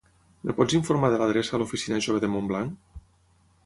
Em pots informar de l'adreça a l'oficina jove de Montblanc?